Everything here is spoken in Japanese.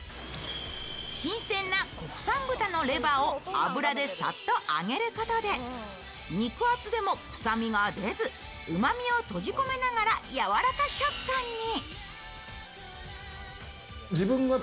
新鮮な国産豚のレバーを油でサッと揚げることで肉厚でも臭みが出ず、うまみを閉じ込めながらやわらか食感に。